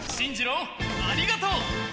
うありがとう！